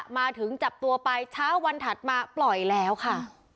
มาถึงจับตัวไปเช้าวันถัดมาปล่อยแล้วค่ะ